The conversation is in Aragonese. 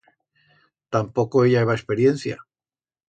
Tampoco ella heba experiencia.